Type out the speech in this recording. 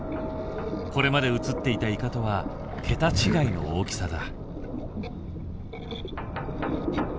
これまで映っていたイカとは桁違いの大きさだ。